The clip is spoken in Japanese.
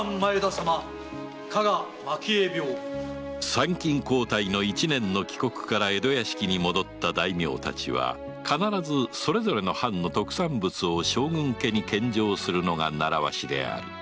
参勤交代の一年の帰国から江戸屋敷に戻った大名達は必ずそれぞれの藩の特産物を将軍家に献上するのが習わしである